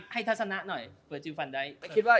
ให้ทัศนะหน่อยเวอร์จิลฟันได้